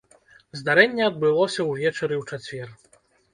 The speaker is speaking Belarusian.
Здарэнне адбылося ўвечары ў чацвер.